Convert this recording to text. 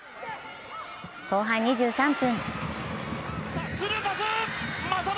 後半２３分。